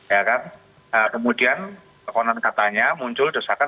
ya kan kemudian konon katanya muncul desakan